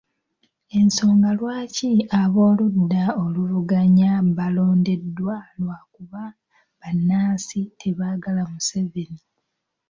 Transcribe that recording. Ensonga lwaki ab’oludda oluvuganya baalondeddwa lwakuba bannansi tebaagala Museveni .